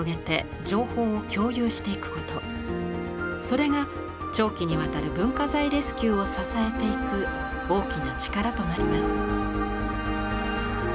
それが長期にわたる文化財レスキューを支えていく大きな力となります。